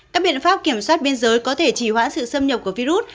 các biện pháp kiểm soát biên giới có thể chỉ hoãn sự xâm nhập của virus